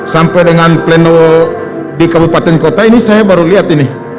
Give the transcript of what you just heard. sampai dengan pleno di kabupaten kota ini saya baru lihat ini